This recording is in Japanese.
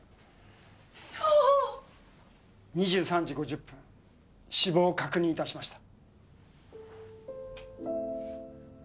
２３時５０分死亡を確認致しました。